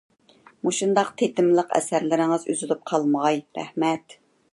مۇشۇنداق تېتىملىق ئەسەرلىرىڭىز ئۈزۈلۈپ قالمىغاي. رەھمەت!